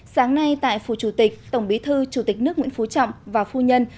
sáng nay tại phủ chủ tịch tổng bí thư chủ tịch nước nguyễn phú trọng và phu nhân